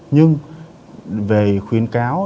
nhưng về khuyến cáo